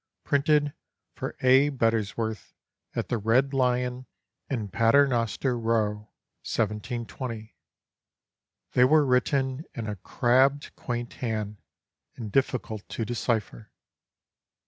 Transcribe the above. Printed for A. Bettesworth, at the Red Lion in Paternoster row, 1720. They were written in a 'crabbed, quaint hand, and difficult to decipher.